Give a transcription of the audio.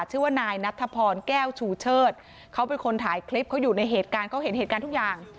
ชื่อว่านายนัทธพรแก้วชูเชิดเขาเป็นคนถ่ายคลิปเขาอยู่ในเหตุการณ์เขาเห็นเหตุการณ์ทุกอย่าง